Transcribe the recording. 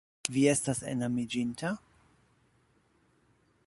Vi estas enamiĝinta?